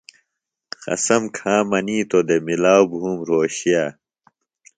قسم کھا منِیتو دےۡ مِلاؤ بُھوم رھوشے۔